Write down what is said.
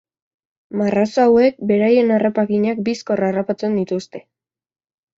Marrazo hauek beraien harrapakinak bizkor harrapatzen dituzte.